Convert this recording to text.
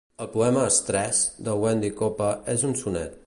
El poema "Stress" de Wendy Cope és un sonet